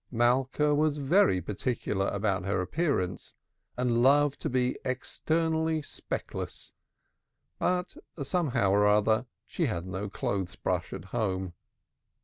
Malka was very particular about her appearance and loved to be externally speckless, but somehow or other she had no clothes brush at home.